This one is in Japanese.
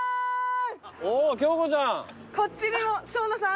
おぉ京子ちゃん。